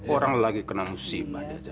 orang lagi kena musibah dia ajar ajar aja